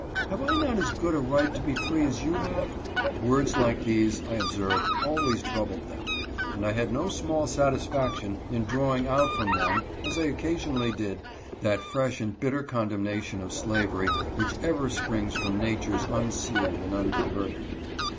Have I not as good a right to be free as you have ?" Words like these, I observed, always troubled them ; and I had no small satisfaction in drawing out from them, as I occa sionally did, that fresh and bitter condemnation of slavery which ever springs from natures unseared and unperverted.